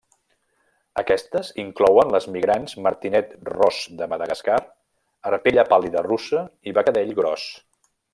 Aquestes inclouen les migrants martinet ros de Madagascar, arpella pàl·lida russa i becadell gros.